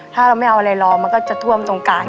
ถ้าเราไม่เอาอะไรรอมันก็จะท่วมตรงกลาง